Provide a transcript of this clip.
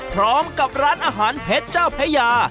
พร้อมกับร้านอาหารเพชรเจ้าพระยา